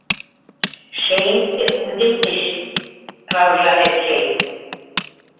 Шәйеңде үҙең эш, Раужа әпшәй!